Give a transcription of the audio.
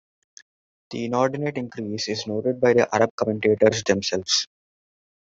The inordinate increase is noted by the Arab commentators themselves.